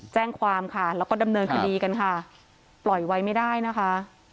แจ้งความค่ะแล้วก็ดำเนินคดีกันค่ะปล่อยไว้ไม่ได้นะคะ